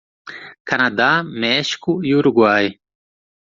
Canadá, México e Uruguai.